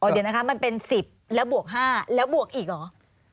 เดี๋ยวนะคะมันเป็น๑๐แล้วบวก๕แล้วบวกอีกเหรอ